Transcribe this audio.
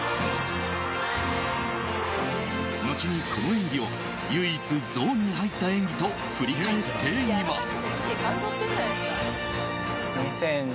後にこの演技を唯一ゾーンに入った演技と振り返っています。